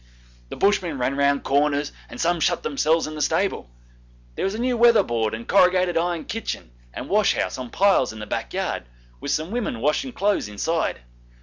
The Bushmen ran round corners, and some shut themselves in the stable. There was a new weather board and corrugated iron kitchen and wash house on piles in the back yard, with some women washing clothes inside.